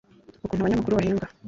ukuntu abanyamakuru bahembwa